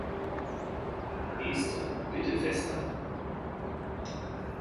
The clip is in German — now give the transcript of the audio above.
Esther, bitte fester!